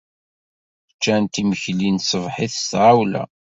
Ččant imekli n tṣebḥit s tɣawla.